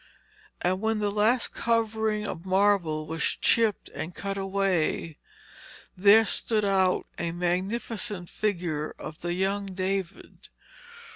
And when the last covering of marble was chipped and cut away there stood out a magnificent figure of the young David.